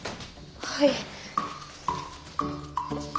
はい。